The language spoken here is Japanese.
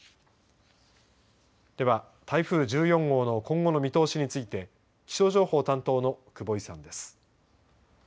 では、台風１４号の今後の見通しについて気象情報担当の久保井さんです。